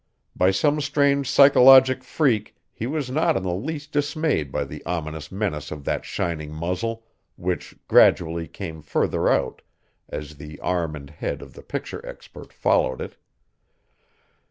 By some strange psychologic freak he was not in the least dismayed by the ominous menace of that shining muzzle, which gradually came further out as the arm and head of the picture expert followed it.